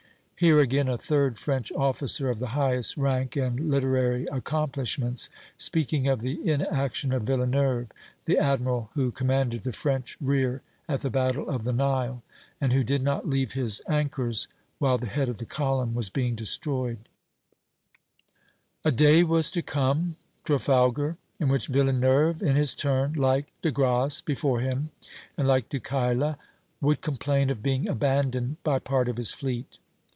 Hear again a third French officer, of the highest rank and literary accomplishments, speaking of the inaction of Villeneuve, the admiral who commanded the French rear at the battle of the Nile, and who did not leave his anchors while the head of the column was being destroyed: "A day was to come [Trafalgar] in which Villeneuve in his turn, like De Grasse before him, and like Duchayla, would complain of being abandoned by part of his fleet.